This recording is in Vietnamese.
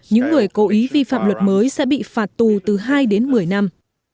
những người cố ý vi phạm luật mới sẽ bị phạt tù từ hai đến một mươi năm